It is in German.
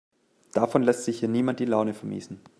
Davon lässt sich hier niemand die Laune vermiesen.